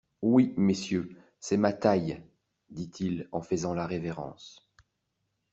Oui, messieurs, c’est ma taille, dit-il en faisant la révérence.